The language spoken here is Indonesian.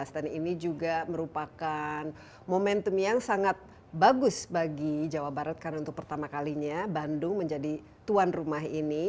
dan ini juga merupakan momentum yang sangat bagus bagi jawa barat karena untuk pertama kalinya bandung menjadi tuan rumah ini